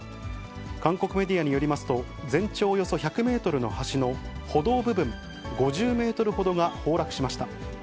韓国メディアによりますと、全長およそ１００メートルの橋の歩道部分５０メートルほどが崩落しました。